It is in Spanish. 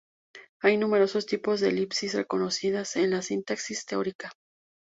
Hay numerosos tipos de elipsis reconocidas en la sintaxis teórica.